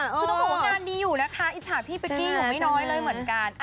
คือต้องบอกว่างานดีอยู่นะคะอิจฉาพี่เป๊กกี้อยู่ไม่น้อยเลยเหมือนกัน